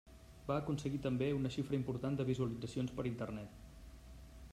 Va aconseguir també una xifra important de visualitzacions per Internet.